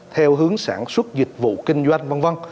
theo hướng sản xuất dịch vụ kinh doanh v v